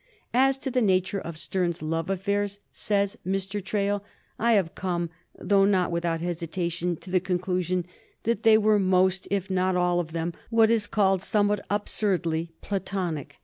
" As to the nature of Sterne's love affairs," says Mr. Traill, " I have come, though not without hesitation, to the conclusion that they were most, if not all of them, what is called, somewhat absurdly, pla^ tonic.